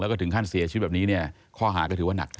แล้วก็ถึงขั้นเสียชีวิตแบบนี้เนี่ยข้อหาก็ถือว่านัก